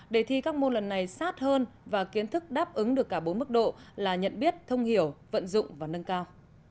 đề thi các môn lần này sát hơn và kiến thức đáp ứng được cả bốn mức độ là nhận biết thông hiểu vận dụng và nâng cao